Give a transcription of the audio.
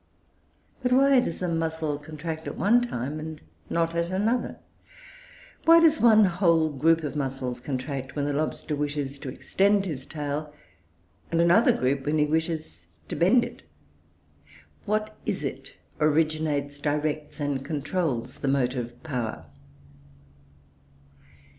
But why does a muscle contract at one time and not at another? Why does one whole group of muscles contract when the lobster wishes to extend his tail, and another group when he desires to bend it? What is it originates, directs, and controls the motive power?